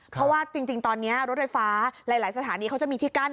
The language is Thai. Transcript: เพราะว่าจริงตอนนี้รถไฟฟ้าหลายสถานีเขาจะมีที่กั้น